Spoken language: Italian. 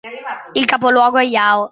Il capoluogo è Yao.